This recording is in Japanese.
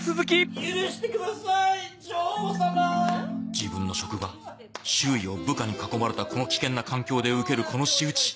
自分の職場周囲を部下に囲まれたこの危険な環境で受けるこの仕打ち